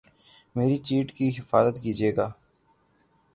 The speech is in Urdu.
میری چیٹ کی حفاظت کیجئے گا